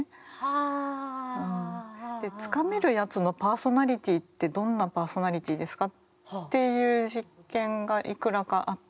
でつかめるやつのパーソナリティーってどんなパーソナリティーですかっていう実験がいくらかあって。